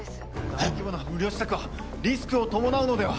・大規模な無料施策はリスクを伴うのでは？